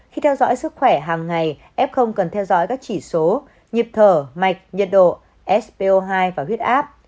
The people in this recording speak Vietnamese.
khi theo dõi sức khỏe hàng ngày f cần theo dõi các chỉ số nhịp thở mạch nhiệt độ s po hai và huyết áp